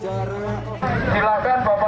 silakan bapak ibu sekalian membubarkan diri